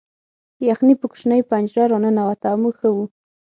یخني په کوچنۍ پنجره نه راننوته او موږ ښه وو